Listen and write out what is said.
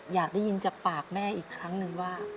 อยากได้ยินจากปากแม่อีกครั้งหนึ่งว่า